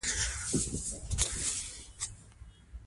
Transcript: پښتانه له کلونو راهیسې مقاومت کوله.